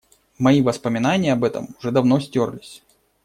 Мои воспоминания об этом уже давно стёрлись.